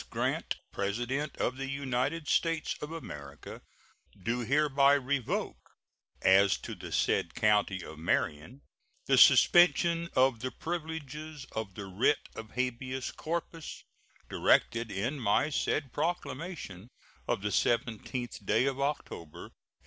Grant, President of the United States of America, do hereby revoke, as to the said county of Marion, the suspension of the privileges of the writ of habeas corpus directed in my said proclamation of the 17th day of October, 1871.